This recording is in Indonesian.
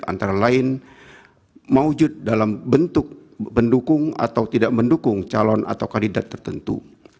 antara lain mau wujud dalam bentuk mendukung atau tidak mendukung calon atau kandidat tertentu